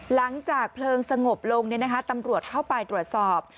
หลังจากเพลิงสงบลงตำรวจเข้าไปตรวจสอบ